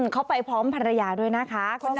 เขาไปพร้อมภรรยาด้วยนะคะ